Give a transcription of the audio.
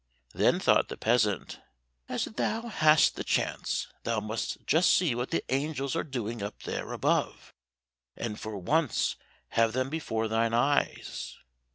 Then thought the peasant, "As thou hast the chance, thou must just see what the angels are doing up there above, and for once have them before thine eyes."